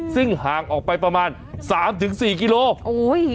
ซึ่งหางออกไปประมาณ๓๔กิโลกรัม